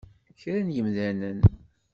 Kra n yemdanen!